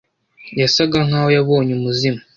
Yasa nkaho yabonye umuzimu.